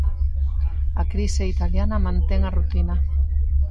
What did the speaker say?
A crise italiana mantén a rutina.